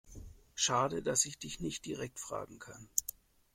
Schade, dass ich dich nicht direkt fragen kann.